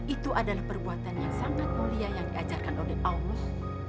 itu adalah perbuatan yang sangat mulia yang diajarkan oleh allah